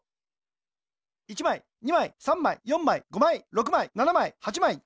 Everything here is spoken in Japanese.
１まい２まい３まい４まい５まい６まい７まい８まい。